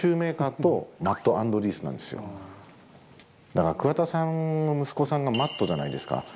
だから桑田さんの息子さんがＭａｔｔじゃないですか。